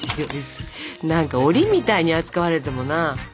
何かおりみたいに扱われてもな。